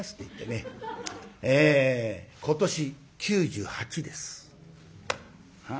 今年９８です。